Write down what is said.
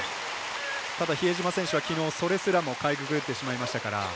ただ比江島選手はきのうそれすらもかいくぐってしまいましたから。